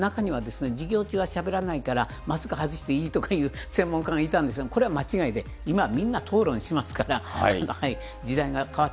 授業中はしゃべらないからマスク外していいとか言う専門家がいたんですが、これは間違いで、今、みんな討論しますから、そういうことですね。